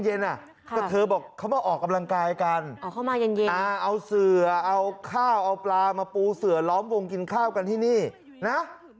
ยังมีรอยอยู่เลยค่ะนี่ค่ะ